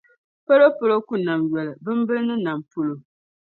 Palo palo ku nam yoli, bilibili ni nam palo.